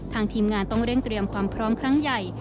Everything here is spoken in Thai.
ทีมงานต้องเร่งเตรียมความพร้อมครั้งใหญ่